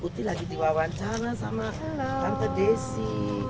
putih lagi diwawancara sama tante desi